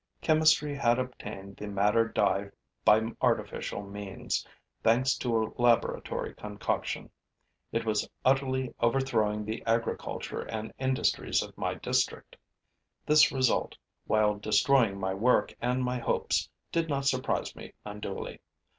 Chemistry had obtained the madder dye by artificial means; thanks to a laboratory concoction, it was utterly overthrowing the agriculture and industries of my district. This result, while destroying my work and my hopes, did not surprise me unduly.